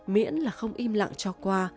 miễn là không im lặng cho qua